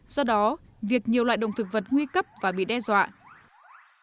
do đó việc nhiều loại động thực vật nguy cấp và bảo vệ được khu rừng này sẽ không được bảo vệ được